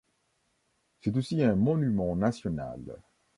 C'est aussi un Monument National.